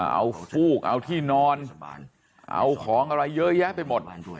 เอาฟูกเอาที่นอนเอาของอะไรเยอะแยะไปหมด